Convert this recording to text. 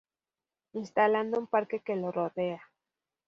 Instalando un parque que lo rodea.